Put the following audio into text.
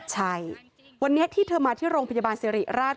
ใช่วันนี้ที่เธอมาที่โรงพยาบาลสิริราช